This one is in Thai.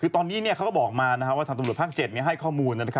คือตอนนี้เขาก็บอกมาว่าทางตำรวจภาค๗ให้ข้อมูล